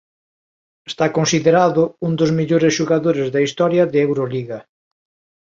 Está considerado un dos mellores xogadores da historia de Euroliga.